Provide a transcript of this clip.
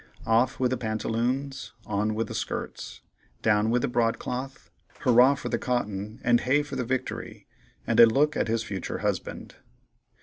Off with the pantaloons; on with the skirts; down with the broadcloth; hurrah for the cotton and hey for victory, and a look at his future husband.